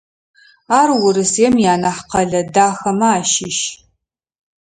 Ар Урысыем ианахь къэлэ дахэмэ ащыщ.